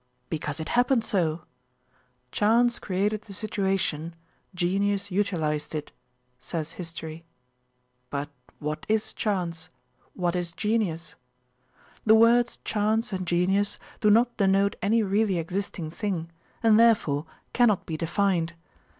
Because it happened so! "Chance created the situation; genius utilized it," says history. But what is chance? What is genius? The words chance and genius do not denote any really existing thing and therefore cannot be defined.